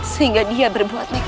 sehingga dia berbuat mereka